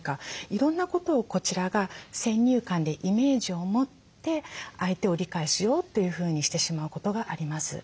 いろんなことをこちらが先入観でイメージを持って相手を理解しようというふうにしてしまうことがあります。